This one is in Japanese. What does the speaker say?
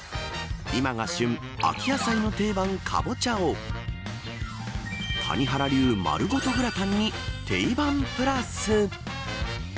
今が旬、秋野菜の定番カボチャを谷原流丸ごとグラタンにテイバンプラス。